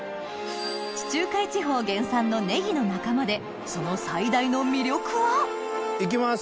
地中海地方原産のねぎの仲間でその最大の魅力は行きます！